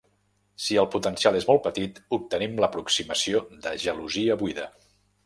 Si el potencial és molt petit, obtenim l'Aproximació de gelosia buida.